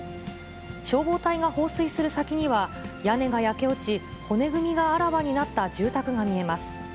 消防隊が放水する先には、屋根が焼け落ち、骨組みがあらわになった住宅が見えます。